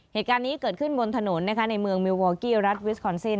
เหตุการณ์นี้เกิดขึ้นบนถนนนะคะในเมืองมิลวอลกี้รัฐวิสคอนซิน